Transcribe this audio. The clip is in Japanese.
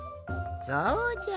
そうじゃ。